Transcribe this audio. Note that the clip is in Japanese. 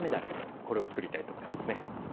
これを作りたいと思いますね。